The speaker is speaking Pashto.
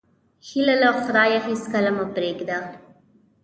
هیله له خدایه هېڅکله مه پرېږده.